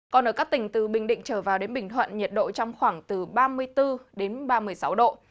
còn ở các tỉnh từ bình định trở vào đến bình thuận nhiệt độ trong khoảng từ ba mươi bốn đến ba mươi sáu độ